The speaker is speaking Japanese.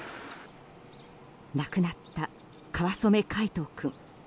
亡くなった川染凱仁君。